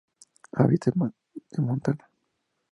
Habita en Montana.